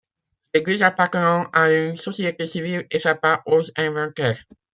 L'église appartenant à une société civile échappa aux inventaires.